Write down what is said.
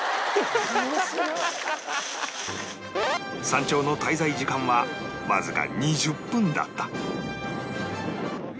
山頂の滞在時間はわずか２０分だった